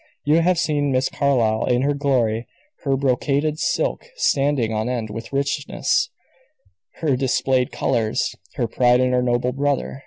You have seen Miss Carlyle in her glory, her brocaded silk standing on end with richness, her displayed colors, her pride in her noble brother.